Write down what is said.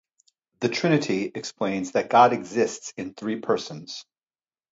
The trinity explains that God exists in three persons.